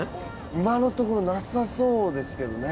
今のところなさそうですけどね。